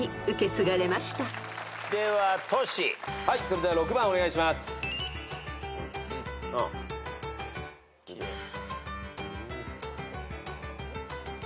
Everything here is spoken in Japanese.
それでは６番お願いします。